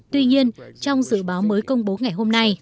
tuy nhiên trong dự báo mới công bố ngày hôm nay